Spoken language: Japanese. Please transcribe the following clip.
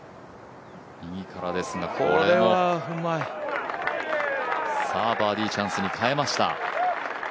右からですが、これもバーディーチャンスに変えました。